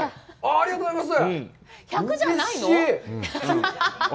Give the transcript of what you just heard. ありがとうございます。